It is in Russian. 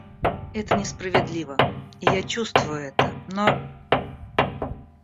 Это несправедливо, и я чувствую это, но...